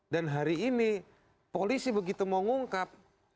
dan hari ini polisi begitu mau ngungkap